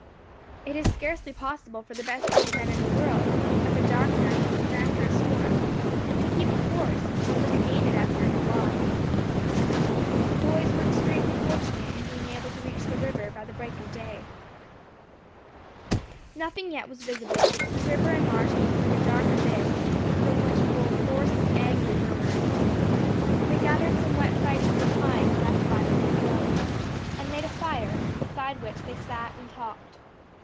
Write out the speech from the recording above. It is scarcely possible for the best woodsman in the world, of a dark night, and after a storm, to keep a course, or to regain it after it is lost. The boys were extremely fortunate in being able to reach the river by the break of day. Nothing yet was visible. The river and marsh looked like a dark abyss, from which rolled hoarse and angry murmurs. They gathered some wet fragments of pine left by them near the oak, and made a fire, beside which they sat and talked.